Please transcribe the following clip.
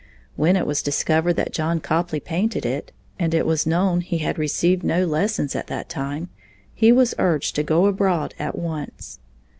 When it was discovered that John Copley painted it, and it was known he had received no lessons at that time, he was urged to go abroad at once.